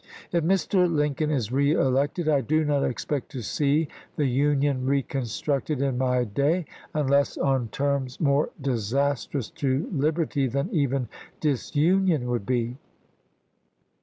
If Mr. 1864. Lincoln is reelected I do not expect to see the Union reconstructed in my day, unless on terms more disastrous to liberty than even disunion would be.